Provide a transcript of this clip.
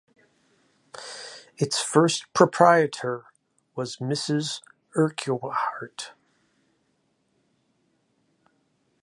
Its first proprietor was Mrs Urquhart.